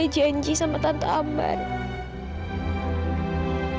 masih kebetulan kau sadar di depan vera broto